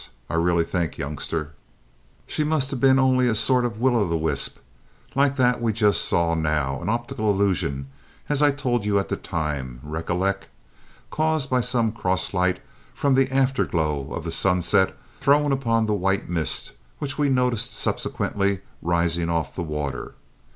I really think, youngster, she must have been only a sort of will o' the wisp, like that we saw just now an optical illusion, as I told you at the time, recollect, caused by some cross light from the afterglow of the sunset thrown upon the white mist which we noticed subsequently rising off the water.